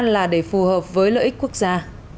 là để phù hợp với lợi ích quốc gia